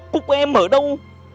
cúc ơi em ở đâu